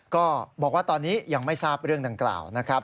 ก็บอกว่าตอนนี้ยังไม่ทราบเรื่องดังกล่าวนะครับ